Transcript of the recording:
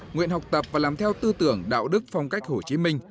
nguyện học tập và làm theo tư tưởng đạo đức phong cách hồ chí minh